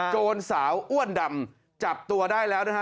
โจรสาวอ้วนดำจับตัวได้แล้วนะฮะ